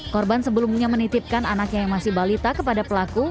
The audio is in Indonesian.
korban sebelumnya menitipkan anaknya yang masih balita kepada pelaku